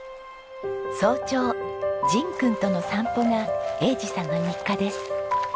早朝ジン君との散歩が栄治さんの日課です。